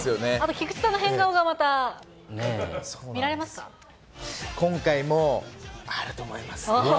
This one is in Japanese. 菊池さんの変顔がまた見られ今回もあると思います。